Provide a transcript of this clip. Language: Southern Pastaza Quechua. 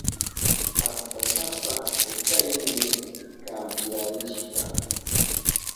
Pastasapa kuchaynin kampiyarishka.